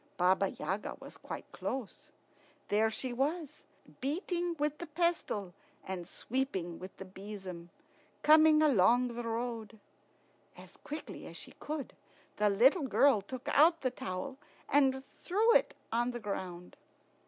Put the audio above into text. Baba Yaga was quite close. There she was, beating with the pestle and sweeping with the besom, coming along the road. As quickly as she could, the little girl took out the towel and threw it on the ground.